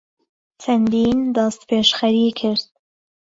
چهندین دهستپێشخهری کرد